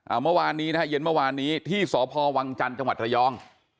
เมื่อวานนี้นะฮะเย็นเมื่อวานนี้ที่สพวังจันทร์จังหวัดระยอง